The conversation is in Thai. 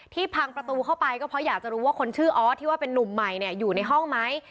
พังประตูเข้าไปก็เพราะอยากจะรู้ว่าคนชื่อออสที่ว่าเป็นนุ่มใหม่เนี่ยอยู่ในห้องไหม